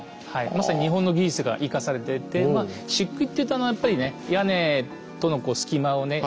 まさに日本の技術が生かされててしっくいっていうとやっぱりね屋根との隙間をね